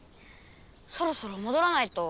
そろそろもどらないと。